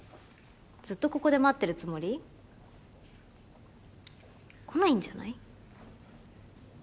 ずっとここで待ってるつもり？来ないんじゃない？